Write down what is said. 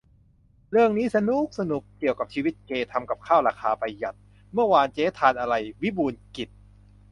- เรื่องนี้สนุ๊กสนุก เกี่ยวกับชีวิตเกย์ ทำกับข้าวราคาประหยัด "เมื่อวานเจ๊ทานอะไร ?" วิบูลย์กิจ